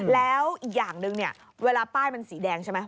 แล้วอย่างหนึ่งเวลาป้ายมันสีแดงใช่ไหม